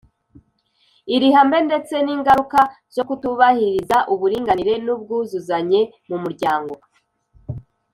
iri hame, ndetse n’ingaruka zo kutubahiriza uburinganire n’ubwuzuzanye mu muryango?